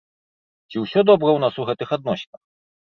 Ці ўсё добра ў нас у гэтых адносінах?